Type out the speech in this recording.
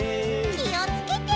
きをつけて。